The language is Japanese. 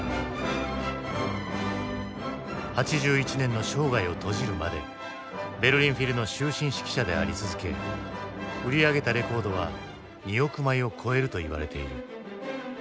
８１年の生涯を閉じるまでベルリン・フィルの終身指揮者であり続け売り上げたレコードは２億枚を超えるといわれている。